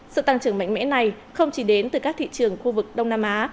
sự tăng trưởng mạnh mẽ này không chỉ đến từ các thị trường khu vực đông nam á